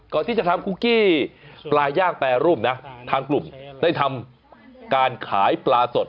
ก่อนที่จะทำคุกกี้ปลาย่างแปรรูปนะทางกลุ่มได้ทำการขายปลาสด